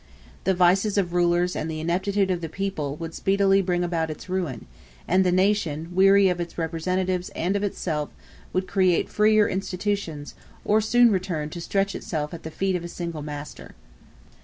The vices of rulers and the ineptitude of the people would speedily bring about its ruin; and the nation, weary of its representatives and of itself, would create freer institutions, or soon return to stretch itself at the feet of a single master.